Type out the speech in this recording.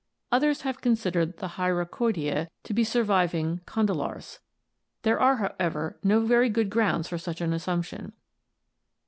Others have considered the Hyracoidea to be surviving condylarths. There are, however, no very good grounds for such an assumption.